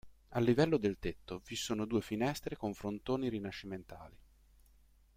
Al livello del tetto, vi sono due finestre con frontoni rinascimentali.